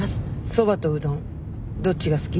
・そばとうどんどっちが好き？